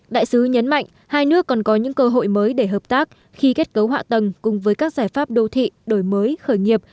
đại sứ nhấn mạnh hai nước còn có những cơ hội mới để hợp tác khi kết cấu họa tầng cùng với các giải pháp đô thị đổi mới khởi nghiệp